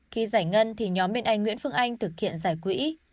khi giải ngân thì nhóm bên anh nguyễn phước anh thực hiện giải quỹ